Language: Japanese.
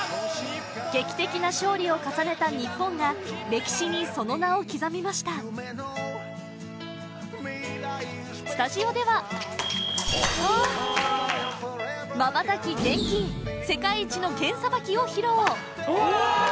劇的な勝利を重ねた日本が歴史にその名を刻みましたスタジオでは世界一の剣さばきを披露うわ